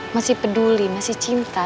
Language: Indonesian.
masih peduli masih cinta